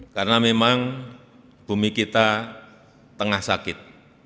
karena memang bumi kita tengah sakit